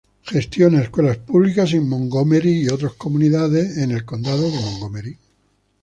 Gestiona escuelas públicas en Montgomery y otros comunidades en el Condado de Montgomery.